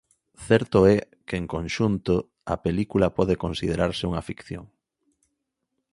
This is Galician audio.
Certo é, que en conxunto, a película pode considerarse unha ficción.